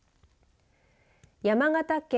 山形県